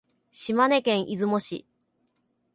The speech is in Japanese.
島根県出雲市